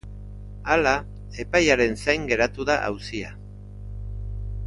Hala, epaiaren zain geratu da auzia.